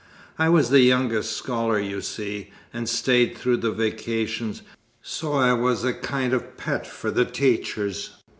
I was the youngest scholar, you see, and stayed through the vacations, so I was a kind of pet for the teachers.